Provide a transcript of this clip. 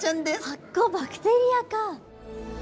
発光バクテリアか。